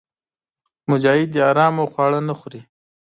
مجاهد د حرامو خواړه نه خوري.